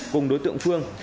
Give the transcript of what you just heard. cùng đối tượng phương